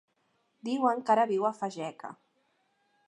Diuen que ara viu a Fageca.